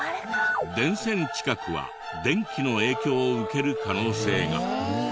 電線近くは電気の影響を受ける可能性が。